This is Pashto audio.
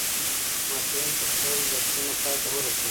محصلین به خپل درسونه پای ته ورسوي.